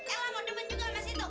ella mau demen juga sama situ